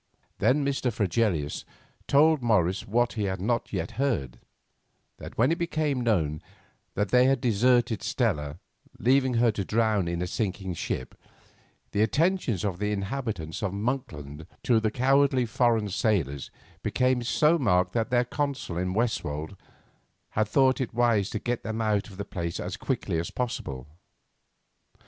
Then Mr. Fregelius told Morris what he had not yet heard—that when it became known that they had deserted Stella, leaving her to drown in the sinking ship, the attentions of the inhabitants of Monksland to the cowardly foreign sailors became so marked that their consul at Northwold had thought it wise to get them out of the place as quickly as possible.